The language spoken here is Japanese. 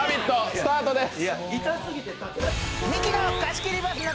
スタートです。